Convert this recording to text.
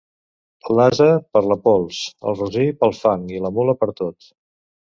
L'ase per la pols, el rossí pel fang i la mula per tot.